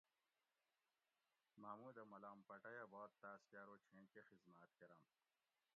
محمودہ ملام پٹئ ھہ باد تاۤس کہ ارو چھیں کہ خذمات کۤرم